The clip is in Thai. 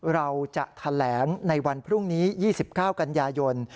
เราจะแถลงในวันพรุ่งนี้๒๙กันยายน